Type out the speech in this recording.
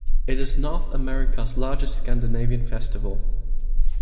It is North America's largest Scandinavian festival.